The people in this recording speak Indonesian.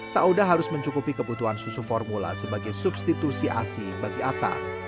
saudah harus mencukupi kebutuhan susu formula sebagai substitusi asih bagi atar